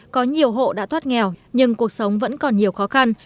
có nhiều hộ đã thoát nghèo nhưng cuộc sống vẫn còn nhiều khó khăn